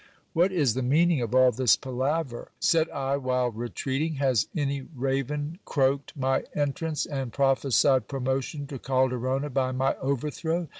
What is the meaning of all this palaver? said I while retreating; has any raven croaked my entrance, and prophesied promotion to Calderona by my" overthrow?